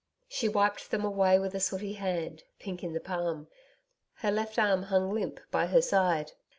She wiped them away with a sooty hand, pink in the palm. Her left arm hung limp by her side.